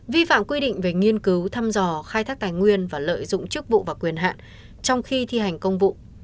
vi phạm quy định về nghiên cứu thăm dò khai thác tài nguyên và lợi dụng chức vụ và quyền hạn trong khi thi hành công vụ